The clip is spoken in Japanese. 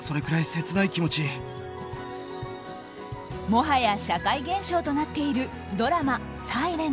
もはや社会現象となっているドラマ「ｓｉｌｅｎｔ」。